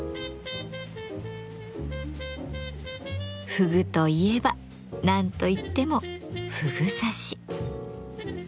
ふぐといえば何といってもふぐ刺し！